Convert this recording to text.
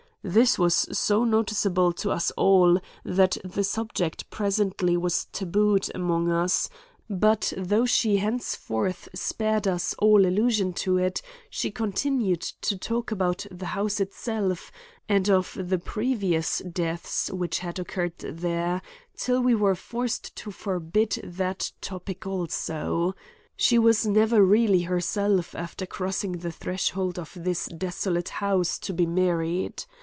This was so noticeable to us all that the subject presently was tabooed amongst us; but though she henceforth spared us all allusion to it, she continued to talk about the house itself and of the previous deaths which had occurred there till we were forced to forbid that topic also. She was never really herself after crossing the threshold of this desolate house to be married.